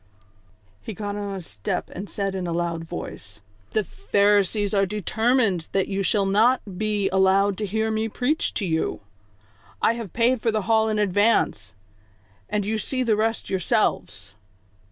113 He got on a step and said in a loud voice :"■ The Pharisees are determined that you shall not be allowed to hear me preach to you ; I have paid for the hall in advance, and you see the rest yourselves."